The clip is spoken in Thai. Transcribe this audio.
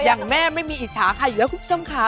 อย่างแม่ไม่มีอิจฉาใครอยู่แล้วคุณผู้ชมค่ะ